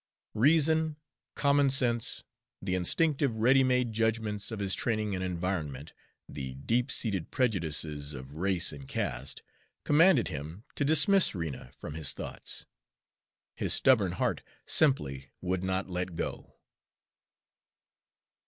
Reason, common sense, the instinctive ready made judgments of his training and environment, the deep seated prejudices of race and caste, commanded him to dismiss Rena from his thoughts. His stubborn heart simply would not let go.